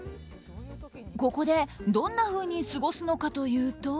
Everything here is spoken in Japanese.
ここで、どんなふうに過ごすのかというと。